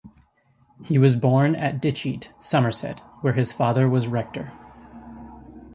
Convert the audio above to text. He was born at Ditcheat, Somerset, where his father was rector.